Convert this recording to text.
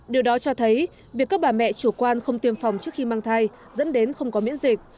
điều đó cho thấy việc các bà mẹ chủ quan không tiêm phòng trước khi mang thai dẫn đến không có miễn dịch